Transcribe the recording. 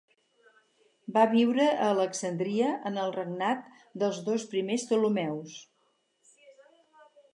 Va viure a Alexandria en el regnat dels dos primers Ptolemeus.